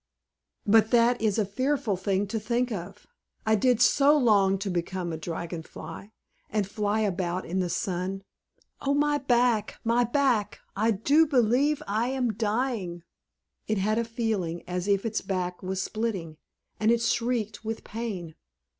But that is a fearful thing to think of. I did so long to become a Dragon Fly and fly about in the sun. Oh, my back! my back! I do believe I am dying!" It had a feeling as if its back was splitting, and it shrieked with pain.